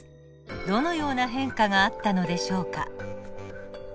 どのような変化があったのでしょうか？